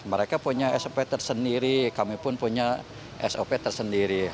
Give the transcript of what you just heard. mereka punya sop tersendiri kami pun punya sop tersendiri